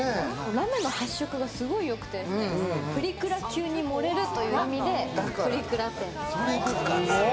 ラメの発色がすごいよくてプリクラ級に盛れるってことでプリクラペンって。